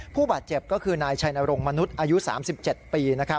ผู้บาดเจ็บก็คือนายชัยนรงค์มนุษย์อายุ๓๗ปี